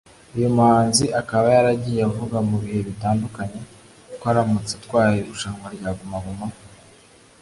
Uyu muhanzi akaba yaragiye avuga mu bihe bitandukanye ko aramutse atwaye irushanwa rya Guma Guma